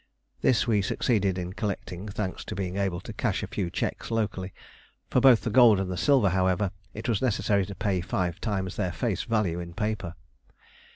This we succeeded in collecting, thanks to being able to cash a few cheques locally: for both the gold and the silver, however, it was necessary to pay five times their face value in paper.